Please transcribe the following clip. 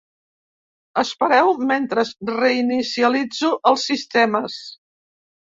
Espereu mentre reinicialitzo els sistemes.